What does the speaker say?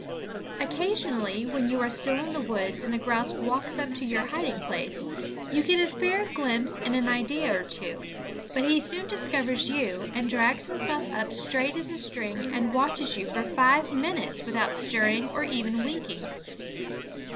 Occasionally, when you are still in the woods and a grouse walks up to your hiding place, you get a fair glimpse and an idea or two; but he soon discovers you, and draws himself up straight as a string and watches you for five minutes without stirring or even winking.